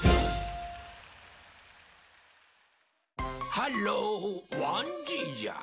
はっろわんじいじゃ。